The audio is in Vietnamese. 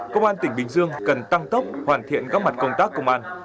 công an tỉnh bình dương cần tăng tốc hoàn thiện các mặt công tác công an